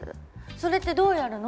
それってどうやるの？